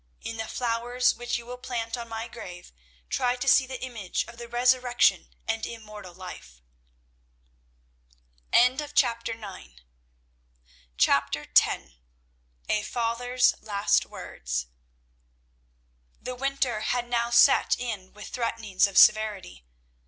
In the flowers which you will plant on my grave, try to see the image of the resurrection and immortal life." CHAPTER X. A FATHER'S LAST WORDS. The winter had now set in with threatenings of severity.